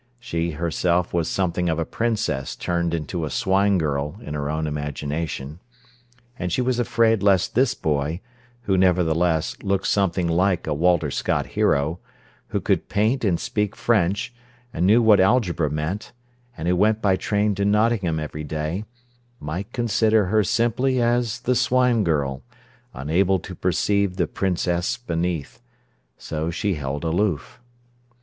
She herself was something of a princess turned into a swine girl in her own imagination. And she was afraid lest this boy, who, nevertheless, looked something like a Walter Scott hero, who could paint and speak French, and knew what algebra meant, and who went by train to Nottingham every day, might consider her simply as the swine girl, unable to perceive the princess beneath; so she held aloof.